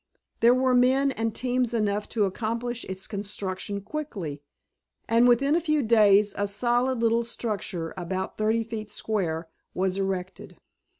There were men and teams enough to accomplish its construction quickly, and within a few days a solid little structure, about thirty feet square, was erected.